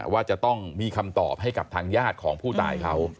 ว่าจะต้องมีคำตอบให้กับทางญาติของผู้ตายเขา